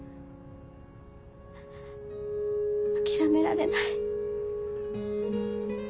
諦められない。